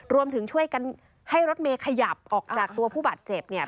รวมถึงช่วยกันให้รถเมย์ขยับออกจากตัวผู้บาดเจ็บเนี่ย